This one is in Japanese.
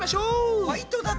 ファイトだぜ！